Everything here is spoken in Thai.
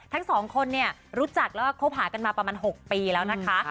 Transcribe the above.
ทั้งสองคนรู้จักแล้วเข้าผ่านกันมาประมาณ๖ปีแล้วนะคะ